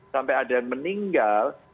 sampai ada yang meninggal